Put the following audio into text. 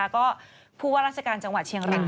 ก็ผู้ว่าราชการจังหวัดเชียงราย